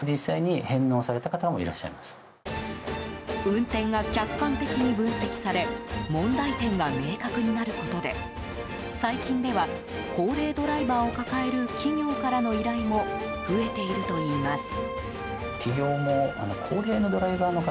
運転が客観的に分析され問題点が明確になることで最近では高齢ドライバーを抱える企業からの依頼も増えているといいます。